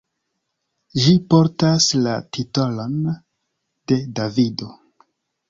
Ĝi portas la titolon: "De Davido.